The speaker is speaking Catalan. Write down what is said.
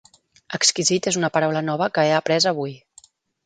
Exquisit és una paraula nova que he après avui.